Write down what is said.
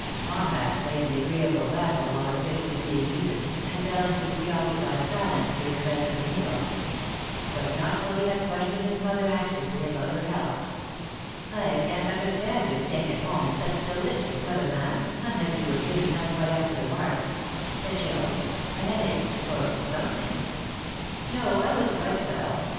Conrad played the agreeable rattle while the fish was being eaten, and fell into preoccupied silence during the rest of the meal; but not till he had questioned his mother anxiously about her health. "I can't understand your staying at home in such delicious weather, ma'am, unless you were feel ing not quite up to the mark — a chill — a headache — or something." ■_■ V .','.'.'':.■._ "No, I was quite well.